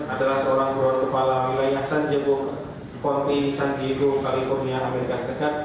adalah seorang buruh kepala wilayah san diego ponte san diego california amerika serikat